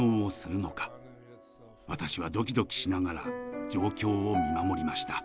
私はドキドキしながら状況を見守りました。